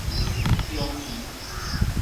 中林